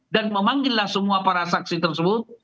dan memanggil semua para saksi tersebut